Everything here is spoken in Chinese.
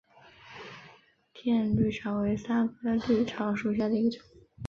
滇葎草为桑科葎草属下的一个种。